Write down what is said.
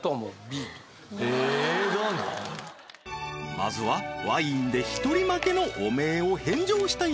まずはワインで一人負けの汚名を返上したい